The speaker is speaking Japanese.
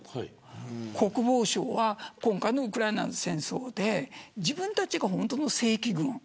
国防省は今回のウクライナの戦争で自分たちが本当の正規軍。